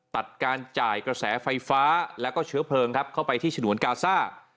ตัดการจ่ายกระแสไฟฟ้าแล้วก็เชื้อเพลิงครับเข้าไปที่ฉนวนกาซ่า